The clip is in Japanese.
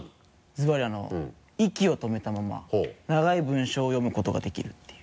ズバリあの息を止めたまま長い文章を読むことができるっていう。